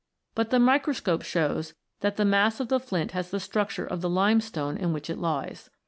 But the microscope shows that the mass of the flint has the structure of the limestone in which it lies.